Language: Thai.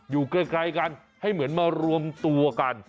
อยู่ไกลกันให้เหมือนมารวมตัวกัน